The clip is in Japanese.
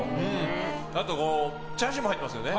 あとチャーシューも入ってますよね。